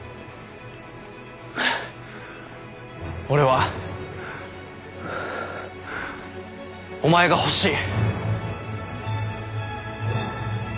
俺はお前が欲しい。